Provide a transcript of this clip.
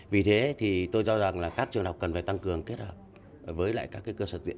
vì thế thì tôi cho rằng là các trường đại học cần phải tăng cường kết hợp với các cơ sở thực tiễn